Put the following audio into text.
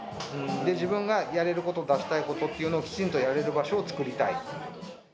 自分がやれることだったり、出したいことっていうのをきちんとやれる場所を作りたい。